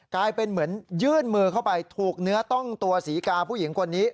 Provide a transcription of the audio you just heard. กลายเป็นเหมือนยื่นมือเข้าไปถูกเนื้อต้องตัวศรีกาผู้หญิงคนนี้